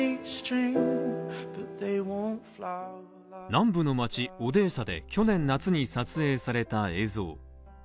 南部の街・オデーサで去年の夏に撮影された映像。